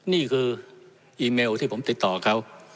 นี่คืออีเมลที่ผมติดต่อเขา